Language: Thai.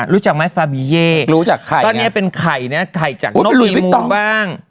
รู้จักไหมฟาบี่เย่ตอนนี้เป็นไข่จากนกอีมูลบ้าง